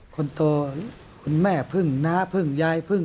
คนโตคุณแม่พึ่งน้าพึ่งยายพึ่ง